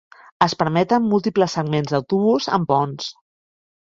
Es permeten múltiples segments d'autobús amb ponts.